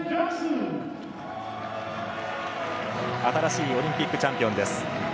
新しいオリンピックチャンピオンです。